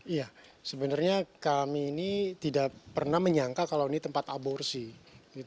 iya sebenarnya kami ini tidak pernah menyangka kalau ini tempat aborsi